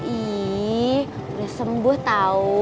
ih udah sembuh tau